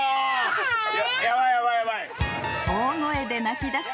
［大声で泣きだす